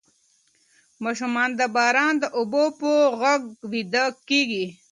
ماشومان د باران د اوبو په غږ ویده کیږي.